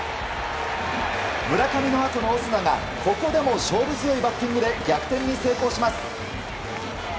村上のあとのオスナがここでも勝負強いバッティングで逆転に成功します。